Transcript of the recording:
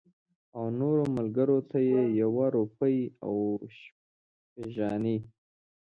او نورو ملګرو ته یې یوه روپۍ او شپږ انې.